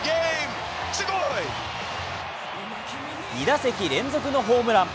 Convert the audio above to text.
２打席連続のホームラン。